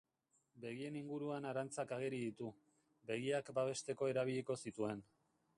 Begien inguruan arantzak ageri ditu, begiak babesteko erabiliko zituen.